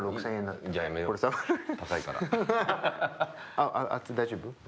あっ熱い大丈夫？